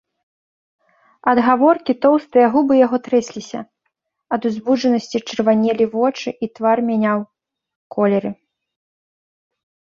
Ад гаворкі тоўстыя губы яго трэсліся, ад узбуджанасці чырванелі вочы і твар мяняў колеры.